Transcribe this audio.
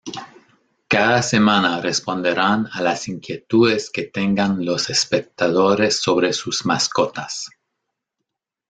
Cada semana responderán a las inquietudes que tengan los espectadores sobre sus mascotas.